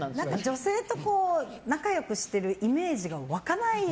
女性と仲良くしてるイメージが湧かない。